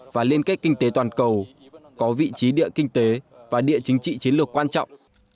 và liên kết kinh tế toàn cầu có vị trí địa kinh tế và địa chính trị chiến lược quan trọng